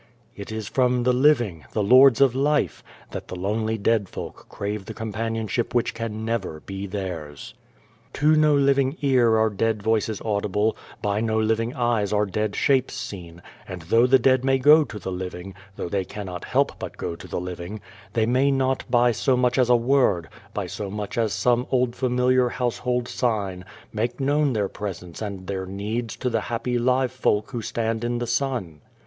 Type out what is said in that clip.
It is from the living the lords of life that 28 The Dream of the Dead Folk the lonely dead folk crave the companionship which can never be theirs. To no living ear are dead voices audible, by no living eyes are dead shapes seen, and though the dead may go to the living though they cannot help but go to the living they may not by so much as a word, by so much as some old familiar household sign, make known their presence and their needs to the happy live folk who stand in the sun.